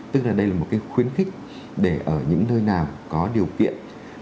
tức là đây là một cái khuyến khích để ở những nơi nào có điều kiện